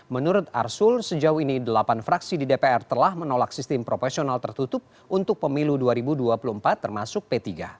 menurut arsul sejauh ini delapan fraksi di dpr telah menolak sistem proporsional tertutup untuk pemilu dua ribu dua puluh empat termasuk p tiga